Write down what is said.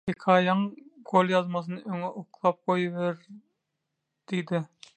hekaýaň golýazmasyny öňe oklap goýberdi-de